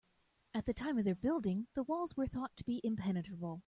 At the time of their building, the walls were thought to be impenetrable.